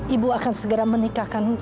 ibu akan segera menikahkan